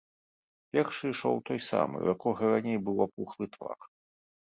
Першы ішоў той самы, у якога раней быў апухлы твар.